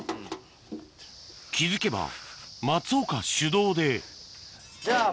気付けば松岡主導でじゃあ。